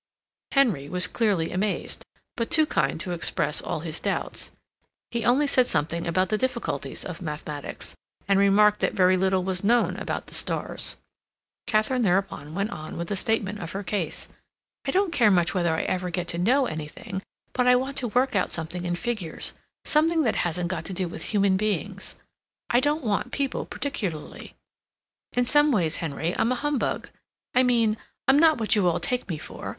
Henry was clearly amazed, but too kind to express all his doubts; he only said something about the difficulties of mathematics, and remarked that very little was known about the stars. Katharine thereupon went on with the statement of her case. "I don't care much whether I ever get to know anything—but I want to work out something in figures—something that hasn't got to do with human beings. I don't want people particularly. In some ways, Henry, I'm a humbug—I mean, I'm not what you all take me for.